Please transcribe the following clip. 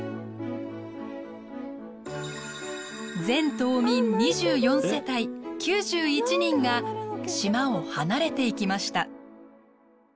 全島民２４世帯９１人が島を離れていきました。